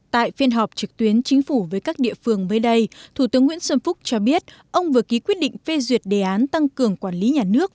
tại phiên họp trực tuyến chính phủ với các địa phương mới đây thủ tướng nguyễn xuân phúc cho biết ông vừa ký quyết định phê duyệt đề án tăng cường quản lý nhà nước